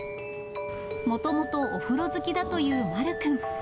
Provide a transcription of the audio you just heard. もともとお風呂好きだというまるくん。